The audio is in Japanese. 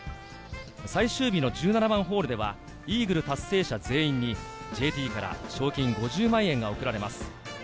最終日の１７番ホールでは、イーグル達成者全員にＪＴから賞金５０万円が贈られます。